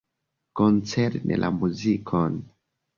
Koncerne la muzikon.